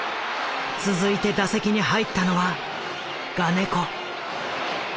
続いて打席に入ったのは我如古。